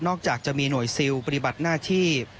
จากจะมีหน่วยซิลปฏิบัติหน้าที่